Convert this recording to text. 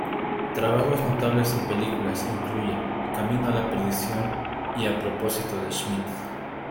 Trabajos notables en películas incluyen "Camino a la perdición" y "A propósito de Schmidt".